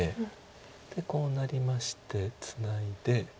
でこうなりましてツナいで。